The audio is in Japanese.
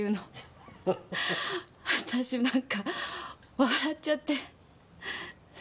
私何か笑っちゃって。